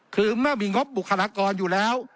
ถึงไม่มีงบบุคลากรอยู่แล้ว